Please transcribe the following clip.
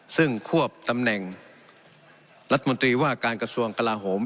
ซึ่งควบตำแหน่งรัฐมนตรีว่าการกระทรวงกลาโหม